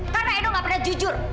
karena edo nggak pernah jujur